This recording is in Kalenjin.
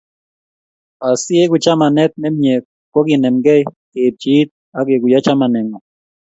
Asi eku chamanet ne mie ko kenemgei, keepchi iit ak keguiyo chamaneng'ung'.